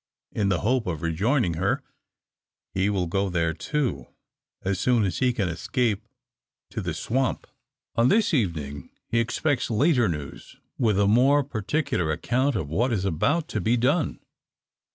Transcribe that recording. In the hope of rejoining her, he will go there too as soon as he can escape to the swamp. On this evening he expects later news, with a more particular account of what is about to be done.